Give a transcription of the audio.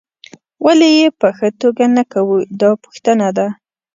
ولې یې په ښه توګه نه کوو دا پوښتنه ده.